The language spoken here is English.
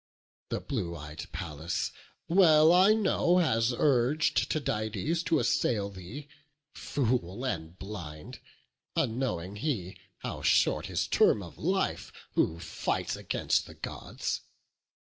The blue ey'd Pallas, well I know, has urg'd Tydides to assail thee; fool and blind! Unknowing he how short his term of life Who fights against the Gods!